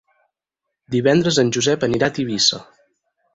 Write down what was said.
Divendres en Josep anirà a Tivissa.